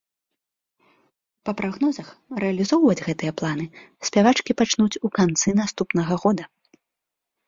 Па прагнозах, рэалізоўваць гэтыя планы спявачкі пачнуць у канцы наступнага года.